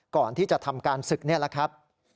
ก่อนที่จะทำการศึกนะครับ